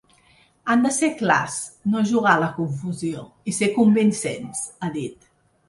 Han de ser clars, no jugar a la confusió i ser convincents, ha dit.